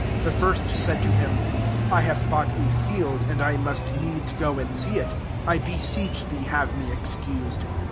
Tfav first said to him> ' I have bo«]|^ a field, and I must needs go maA see it : I beseech thee haYe:«4» excused.